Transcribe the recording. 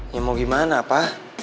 ya mau gimana pa